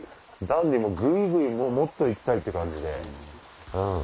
ダンディぐいぐいもっと行きたいって感じでうん。